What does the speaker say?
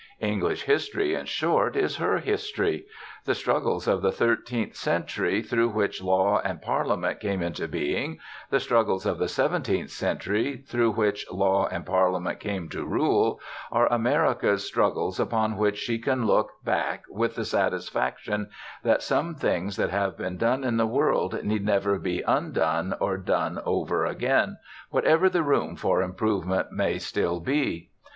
English history, in short, is her history. The struggles of the thirteenth century through which law and parliament came into being, the struggles of the seventeenth century through which law and parliament came to rule, are America's struggles upon which she can look back with the satisfaction that some things that have been done in the world need never be undone or done over again, whatever the room for improvement may still be.